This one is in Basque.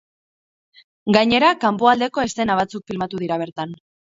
Gainera, kanpoaldeko eszena batzuk filmatu dira bertan.